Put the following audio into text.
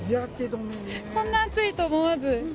こんな暑いと思わず。